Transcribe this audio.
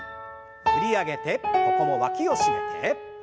振り上げてここもわきを締めて。